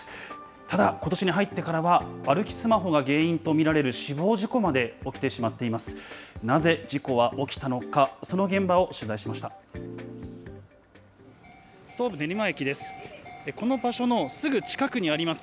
ただ、ことしに入ってからは歩きスマホが原因と見られる死亡事故まで起きてしまっています。